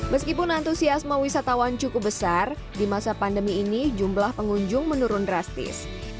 meskipun antusiasme wisatawan cukup besar di masa pandemi ini jumlah pengunjung menurun drastis